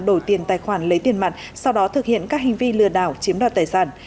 đổi tiền tài khoản lấy tiền mặt sau đó thực hiện các hành vi lừa đảo chiếm đoạt tài sản